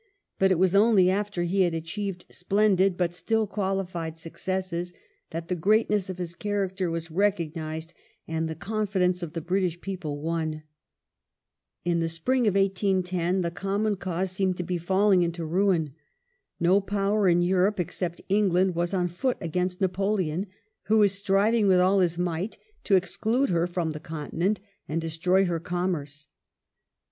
But it was only after he had achieved splendid, but still qualified successes, that the greatness of his character was recognised and the confidence of the British people won. In the spring of 1810 the common cause seemed to be falling into ruin. No power in Europe, except England, was on foot against Napoleon, who was striving with all his might to exclude her from the continent and destroy her commerce.